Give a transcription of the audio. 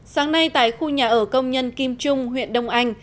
sáng nay tại khu nhà ở công nhân kim trung huyện đông anh